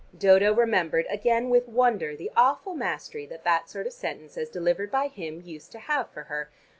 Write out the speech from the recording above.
Dodo remembered, again with wonder, the awful mastery that that sort of sentence as delivered by him used to have for her.